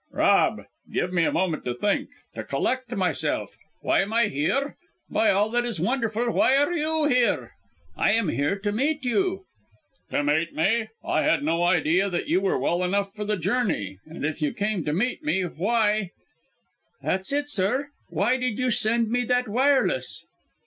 "Rob, give me a moment, to think, to collect myself. Why am I here? By all that is wonderful, why are you here?" "I am here to meet you." "To meet me! I had no idea that you were well enough for the journey, and if you came to meet me, why " "That's it, sir! Why did you send me that wireless?"